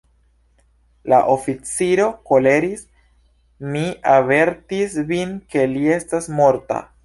La oficiro koleris: “Mi avertis vin, ke li estas morta!